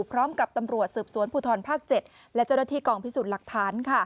พร้อมกับตำรวจสืบสวนภูทรภาค๗และเจ้าหน้าที่กองพิสูจน์หลักฐาน